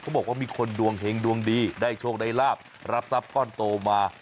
บอกว่ามีคนดวงเฮงดวงดีได้โชคได้ลาบรับทรัพย์ก้อนโตมา